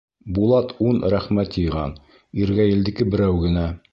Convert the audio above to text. Булат ун рәхмәт йыйған, Иргәйелдеке берәү генә.